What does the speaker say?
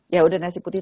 ya udah nasi putih